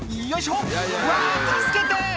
「うわ助けて！」